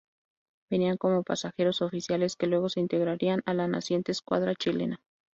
Venían como pasajeros oficiales que luego se integrarían a la naciente Escuadra chilena.